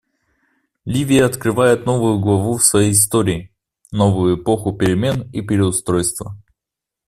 Ливия открывает новую главу в своей истории — новую эпоху перемен и переустройства.